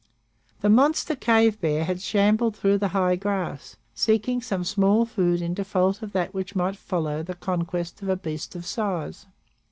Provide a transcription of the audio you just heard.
The monster cave bear had shambled through the high grass, seeking some small food in default of that which might follow the conquest of a beast of size.